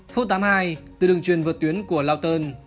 phút tám mươi hai từ đường truyền vượt tuyến của lautern